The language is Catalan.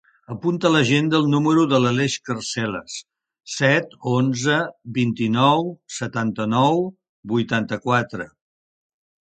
Apunta a l'agenda el número de l'Aleix Carceles: set, onze, vint-i-nou, setanta-nou, vuitanta-quatre.